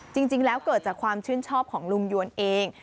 จริงแล้วเกิดจากความชื่นชอบของลุงยวนเอง